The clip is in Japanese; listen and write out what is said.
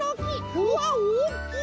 うわっおっきいね！